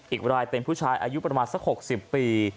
อีกรายเป็นผู้ชายอายุประมาณสัก๖๐ปี